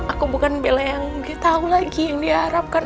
aku bukan bella yang dia tahu lagi yang diharapkan